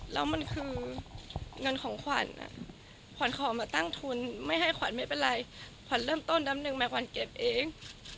แล้วมันคือเงินของขวัญขวัญขอมาตั้งทุนไม่ให้ขวัญไม่เป็นไรขวัญเริ่มต้นเดือนหนึ่งมาขวัญเก็บเอง